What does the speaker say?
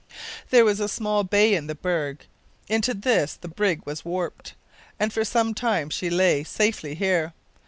There was a small bay in the berg. Into this the brig was warped, and for some time she lay safely here.